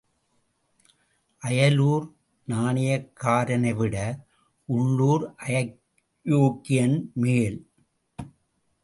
அயலூர் நாணயக்காரனைவிட உள்ளூர் அயோக்கியன் மேல்.